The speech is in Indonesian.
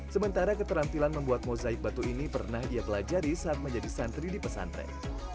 sementara keterampilan membuat mozaik batu ini pernah ia pelajari saat menjadi santri di pesantren